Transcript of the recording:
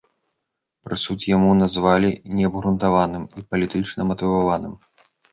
Прысуд яму назвалі неабгрунтаваным і палітычна матываваным.